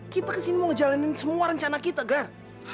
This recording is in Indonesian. kita kesini mau ngejalanin semua rencana kita gar